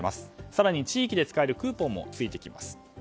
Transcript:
更に、地域で使えるクーポンもついてきます。